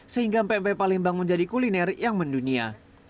sehingga pmp palembang menjadi kuliner yang mendunia